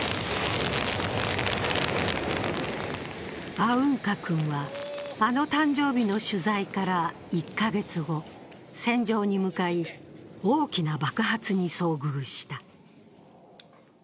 アウンカ君はあの誕生日の取材から１か月後、戦場に向かい、大きな爆発に遭遇した。